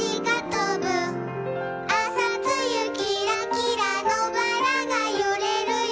「あさつゆきらきらのばらがゆれるよ」